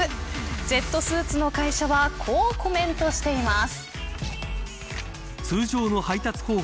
ジェットスーツの会社はこうコメントしています。